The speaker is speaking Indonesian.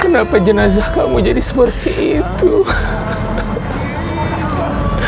kenapa jenazah kamu jadi seperti itu membuat aku mutuk disini careful